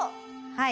はい。